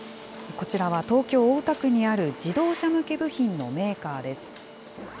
こちらは東京・大田区にある自動車向け部品のメーカーです。